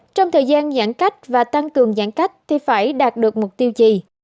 trong thời gian giãn cách và tăng cường giãn cách thì phải đạt được mục tiêu gì